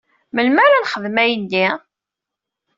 Melmi ara ad nexdem ayenni?